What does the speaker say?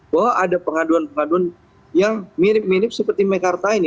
bahwa ada pengaduan pengaduan yang mirip mirip seperti mekarta ini